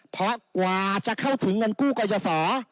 เพราะกว่าจะเข้าถึงเงินกู้ก่อยสอ